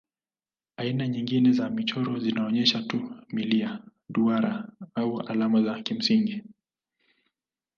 Aina nyingine za michoro zinaonyesha tu milia, duara au alama za kimsingi.